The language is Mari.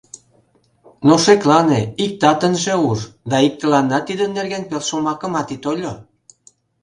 Но шеклане: иктат ынже уж, да иктыланат тидын нерген пел шомакымат ит ойло.